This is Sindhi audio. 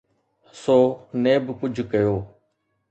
سو نيب ڪجهه ڪيو.